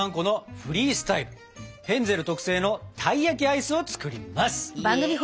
ヘンゼルの特製たい焼きアイスを作ります！